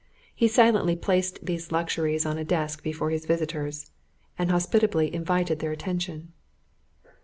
He silently placed these luxuries on a desk before his visitors, and hospitably invited their attention.